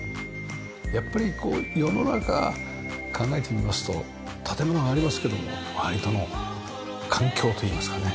やっぱり世の中考えてみますと建物がありますけども周りとの環境といいますかね。